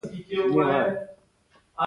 د پښتنو په کلتور کې د ښه عمل بدله جنت دی.